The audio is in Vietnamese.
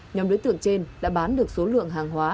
nhóm đối tượng trên đã bán được số lượng hàng hóa